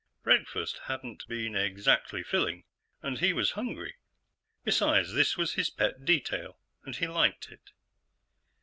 Breakfast hadn't been exactly filling, and he was hungry. Besides, this was his pet detail, and he liked it.